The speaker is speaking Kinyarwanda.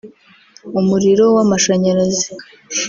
umuriro w’amashanyarazi